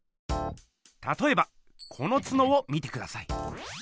たとえばこのツノを見てください。